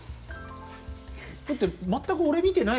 だって全く俺見てないもんね